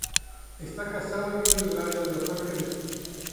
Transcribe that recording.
Está casado y vive en el área de Los Ángeles.